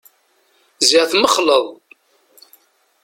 Ziɣ tmexleḍ!